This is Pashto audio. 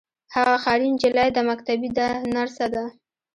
هغه ښاري نجلۍ ده مکتبۍ ده نرسه ده.